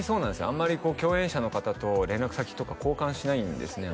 あんまり共演者の方と連絡先とか交換しないんですね